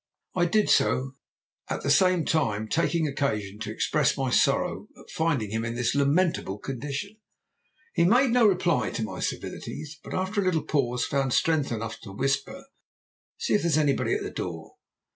I did so, at the same time taking occasion to express my sorrow at finding him in this lamentable condition. He made no reply to my civilities, but after a little pause found strength enough to whisper. 'See if there's anybody at the door.'